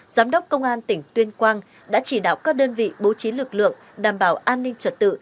giám đốc công an tỉnh tuyên quang đã chỉ đạo các đơn vị bố trí lực lượng đảm bảo an ninh trật tự